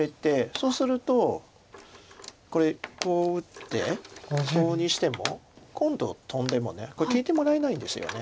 そうするとこれこう打ってコウにしても今度トンでもこれ利いてもらえないんですよね。